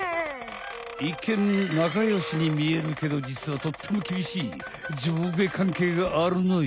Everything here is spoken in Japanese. いっけんなかよしにみえるけどじつはとってもきびしい上下かんけいがあるのよ。